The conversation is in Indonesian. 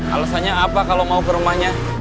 alasannya apa kalau mau ke rumahnya